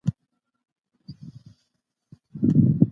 د وینې رګونه د زړه د ټکان سره متوازن حرکت کوي.